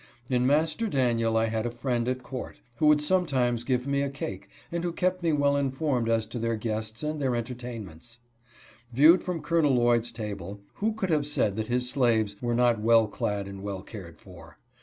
In master Daniel I had a friend at_court, who would sometimes give me a cake, and who kept me well informed as to their guests and their^entertainments^ Viewed from CqI. Lloyd's table, who could have said that his slaves were not well clad and well cared for